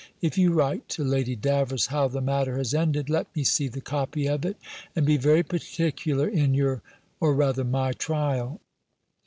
If you write to Lady Davers how the matter has ended, let me see the copy of it: and be very particular in your, or rather, my trial.